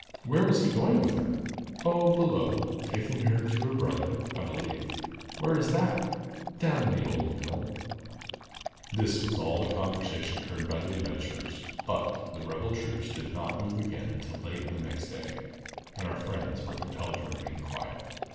"Where was he going with her?" "Oh, below—taking her to her brother, I believe." "Where is that?" "Down in the old mill!" This was all the conversation heard by the adventurers. But, the rebel troops did not move again until late in the next day, and our friends were compelled to remain quiet.